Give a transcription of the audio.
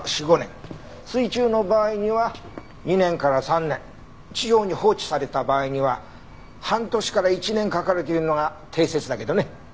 水中の場合には２年から３年地上に放置された場合には半年から１年かかるというのが定説だけどね。